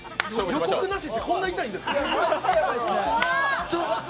予告なしって、こんな痛いんですか。